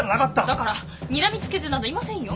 だからにらみ付けてなどいませんよ。